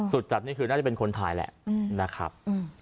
จัดนี่คือน่าจะเป็นคนถ่ายแหละนะครับ